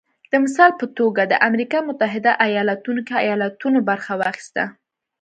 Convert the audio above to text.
د مثال په توګه د امریکا متحده ایالتونو کې ایالتونو برخه واخیسته